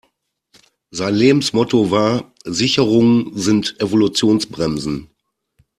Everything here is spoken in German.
Sein Lebensmotto war: Sicherungen sind Evolutionsbremsen.